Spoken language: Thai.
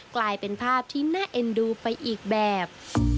กลายเป็นภาพที่น่าเอ็นดูไปอีกแบบ